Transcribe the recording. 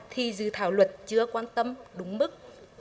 thì dự thảo luật chưa quan tâm đúng mức